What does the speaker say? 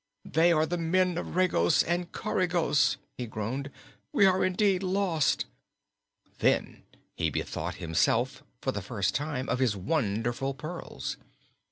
"They are the men of Regos and Coregos!" he groaned. "We are, indeed, lost!" Then he bethought himself, for the first time, of his wonderful pearls.